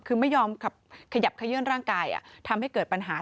คือไม่ยอมขยับขยื่นร่างกายทำให้เกิดปัญหา